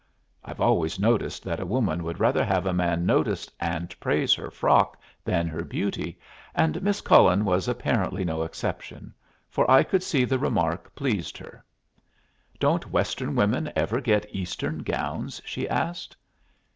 I've always noticed that a woman would rather have a man notice and praise her frock than her beauty, and Miss Cullen was apparently no exception, for I could see the remark pleased her. "Don't Western women ever get Eastern gowns?" she asked.